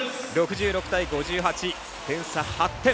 ６６対５８、点差８点。